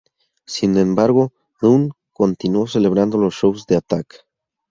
Sin embargo, Dunne continuó celebrando los shows de Attack!